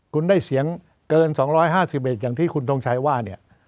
คุณได้เสียงเกิน๒๕๑อย่างที่คุณทงชัยว่าเนี่ย